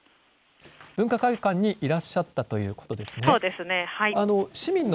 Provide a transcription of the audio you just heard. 文化会館にいらっしゃったということですね。